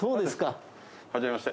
初めまして。